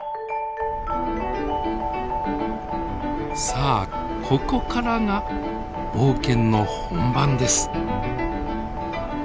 さあここからが冒険の本番です。